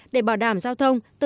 để bảo đảm giao thông